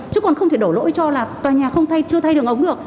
chứ còn không thể đổ lỗi cho là tòa nhà không chưa thay đường ống được